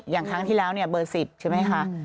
อย่างครั้งที่แล้วเบอร์สิบใช่ไหมค่ะ